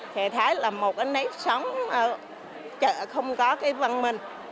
thì thấy là một anh ấy sống ở chợ không có cái văn minh